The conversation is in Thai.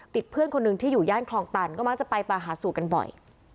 เพื่อนคนหนึ่งที่อยู่ย่านคลองตันก็มักจะไปปาหาสู่กันบ่อย